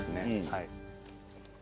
はい。